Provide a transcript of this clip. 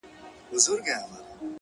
ژونده د څو انجونو يار يم؛ راته ووايه نو؛